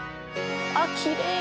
あっきれいに。